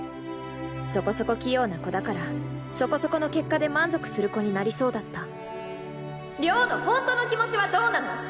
そこそこ器用な子だからそこそこの結果で満足する子になりそうだった亮の本当の気持ちはどうなの？